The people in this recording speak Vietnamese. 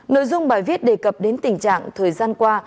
nội dung bài viết đề cập đến tình trạng thời gian qua